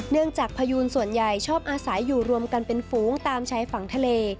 จากพยูนส่วนใหญ่ชอบอาศัยอยู่รวมกันเป็นฝูงตามชายฝั่งทะเล